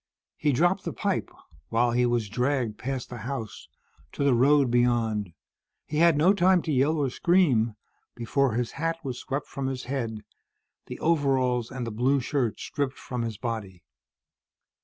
He dropped the pipe, while he was dragged past the house, to the road beyond. He had no time to yell or scream, before his hat was swept from his head, the overalls and the blue shirt stripped from his body.